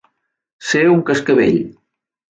Ser un cascavell.